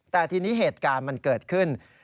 แต่ทีนี้เหตุการณ์มันเกิดขึ้น